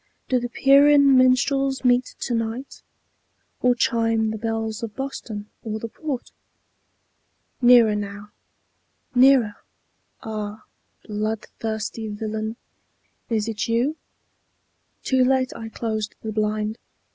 Do the Pierian minstrels meet to night? Or chime the bells of Boston, or the Port? Nearer now, nearer Ah! bloodthirsty villain, Is 't you? Too late I closed the blind!